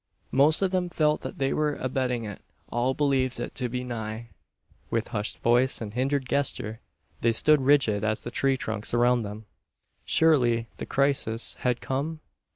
Most of them felt that they were abetting it. All believed it to be nigh. With hushed voice, and hindered gesture, they stood rigid as the tree trunks around them. Surely the crisis had come?